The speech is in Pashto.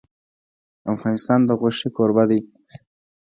افغانستان د غوښې کوربه دی.